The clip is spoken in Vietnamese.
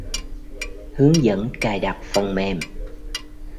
Hướng dẫn cài đặt phần mềm